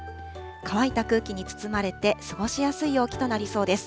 乾いた空気に包まれて、過ごしやすい陽気となりそうです。